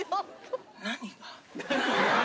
何が？